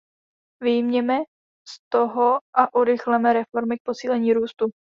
Vyjděme z toho a urychleme reformy k posílení růstu.